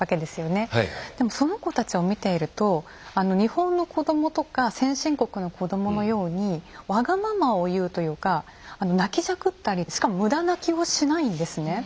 でもその子たちを見ていると日本の子供とか先進国の子供のようにわがままを言うというか泣きじゃくったりしかも無駄泣きをしないんですね。